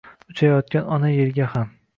Uchayotgan ona Yerga ham.